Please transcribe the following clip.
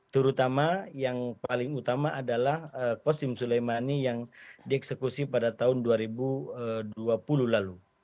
terutama yang paling utama adalah kosim suleimani yang dieksekusi pada tahun dua ribu dua puluh lalu